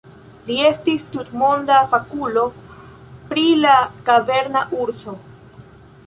Li estis tutmonda fakulo pri la kaverna urso.